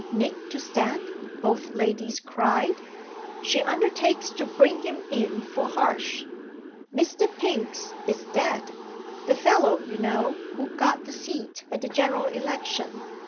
"Nick to stand?" both ladies cried. "She undertakes to bring him in for Harsh. Mr. Pinks is dead the fellow, you know, who got the seat at the general election.